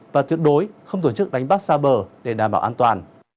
và tuyệt đối không tổ chức đánh bắt xa bờ để đảm bảo an toàn